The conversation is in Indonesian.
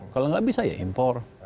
kalau nggak bisa ya impor